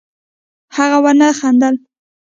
هغه ونه خندل